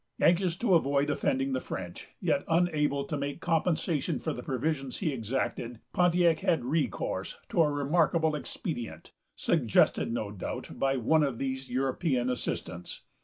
Anxious to avoid offending the French, yet unable to make compensation for the provisions he had exacted, Pontiac had recourse to a remarkable expedient, suggested, no doubt, by one of these European assistants.